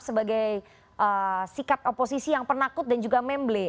sebagai sikap oposisi yang penakut dan juga memble